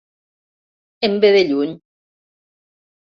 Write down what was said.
Em ve de lluny.